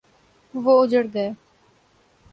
وہ اجڑ گئے۔